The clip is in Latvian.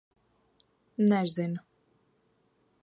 Nezinu.